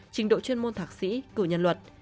trình độ chuyên môn thạc sĩ cử nhân luật